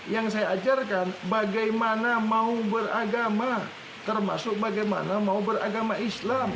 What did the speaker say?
yang saya ajarkan bagaimana mau beragama termasuk bagaimana mau beragama islam